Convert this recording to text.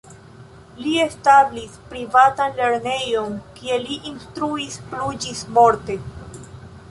Li establis privatan lernejon, kie li instruis plu ĝismorte.